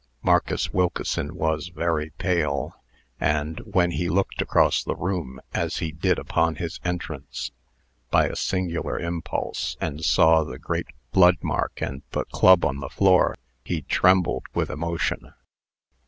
Marcus Wilkeson was very pale, and, when he looked across the room, as he did upon his entrance, by a singular impulse, and saw the great blood mark and the club on the floor, he trembled with emotion.